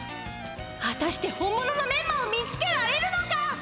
はたして本物のメンマを見つけられるのか！？